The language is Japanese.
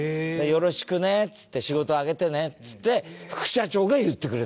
「よろしくね」っつって「仕事あげてね」っつって副社長が言ってくれたの。